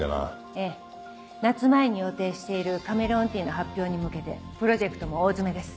ええ夏前に予定しているカメレオンティーの発表に向けてプロジェクトも大詰めです。